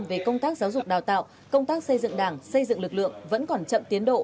về công tác giáo dục đào tạo công tác xây dựng đảng xây dựng lực lượng vẫn còn chậm tiến độ